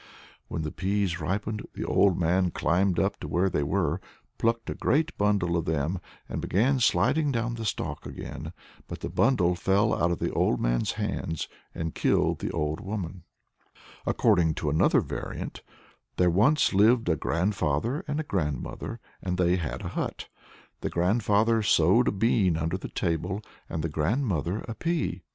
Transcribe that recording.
When the peas ripened, the old man climbed up to where they were, plucked a great bundle of them, and began sliding down the stalk again. But the bundle fell out of the old man's hands and killed the old woman." According to another variant, "There once lived a grandfather and a grandmother, and they had a hut. The grandfather sowed a bean under the table, and the grandmother a pea.